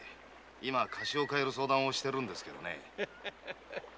今河岸を変える相談をしてるんですけどね。